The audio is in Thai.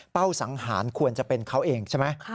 สังหารควรจะเป็นเขาเองใช่ไหม